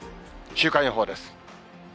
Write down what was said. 週間予報です。